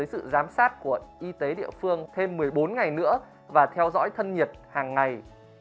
sự giám sát của y tế địa phương thêm một mươi bốn ngày nữa và theo dõi thân nhiệt hàng ngày